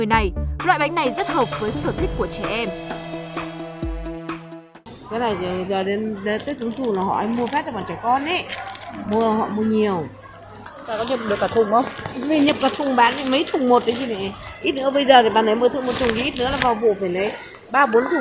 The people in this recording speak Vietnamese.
ít nữa là vào vụ phải lấy ba bốn thùng